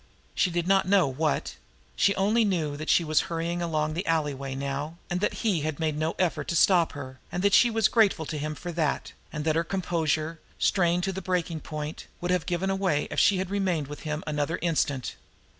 She did not know what. She only knew that she was hurrying along the alleyway now, and that he had made no effort to stop her, and that she was grateful to him for that, and that her composure, strained to the breaking point, would have given away if she had remained with him another instant.